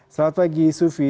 selamat pagi sufi